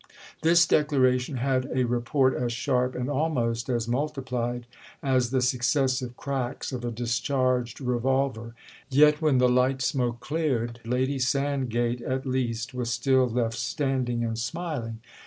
This declaration had a report as sharp and almost as multiplied as the successive cracks of a discharged revolver; yet when the light smoke cleared Lady Sand gate at least was still left standing and smiling.